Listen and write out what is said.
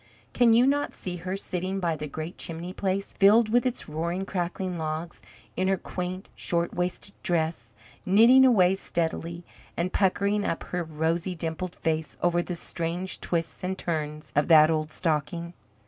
Can you not see her sitting by the great chimney place, filled with its roaring, crackling logs, in her quaint, short waisted dress, knitting away steadily, and puckering up her rosy, dimpled face over the strange twists and turns of that old stocking?